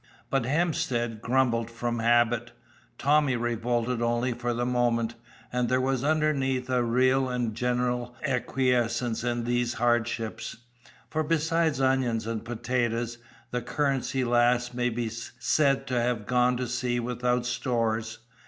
But Hemstead grumbled from habit, Tommy revolted only for the moment, and there was underneath a real and general acquiescence in these hardships. For besides onions and potatoes, the Currency Lass may be said to have gone to sea without stores.